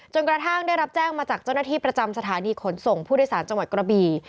กระทั่งได้รับแจ้งมาจากเจ้าหน้าที่ประจำสถานีขนส่งผู้โดยสารจังหวัดกระบี่